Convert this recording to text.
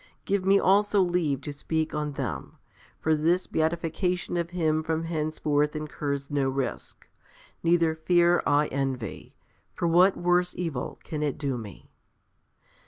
Give me also leave to speak on them. For this beatification of him from henceforth incurs no risk. Neither fear I Envy; for what worse evil can it do me?